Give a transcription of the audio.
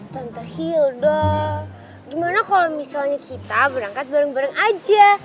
tante heal dong gimana kalau misalnya kita berangkat bareng bareng aja